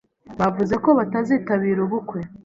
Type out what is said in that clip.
bavuze ko batazitabira ubukwe.